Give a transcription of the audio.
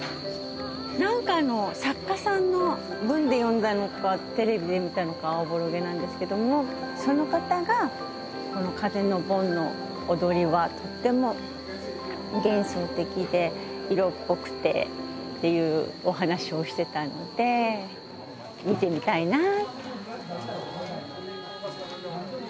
なんかの作家さんの文で読んだのかテレビで見たのかおぼろげなんですけどもその方がこの風の盆の踊りはとっても幻想的で色っぽくてっていうお話をしてたので見てみたいなぁ。